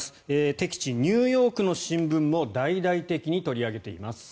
敵地・ニューヨークの新聞も大々的に取り上げています。